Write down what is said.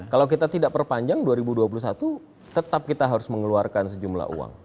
kalau kita tidak perpanjang dua ribu dua puluh satu tetap kita harus mengeluarkan sejumlah uang